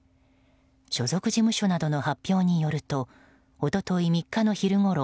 所属事務所などの発表によると一昨日３日の昼ごろ